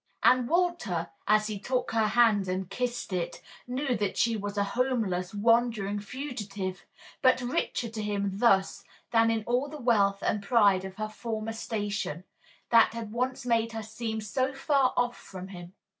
And Walter, as he took her hand and kissed it, knew that she was a homeless, wandering fugitive, but richer to him thus than in all the wealth and pride of her former station, that had once made her seem so far off from him.